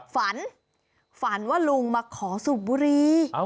ฝันฝันว่าลุงมาขอสูบบุรี